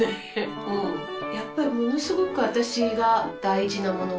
やっぱりものすごく私が大事なもの。